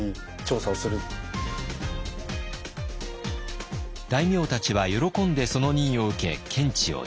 大名たちは喜んでその任を受け検地を実施。